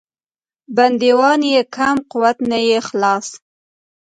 بندیوان یې کم قوته نه یې خلاص.